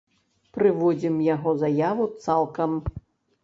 Прыводзім яго заяву цалкам.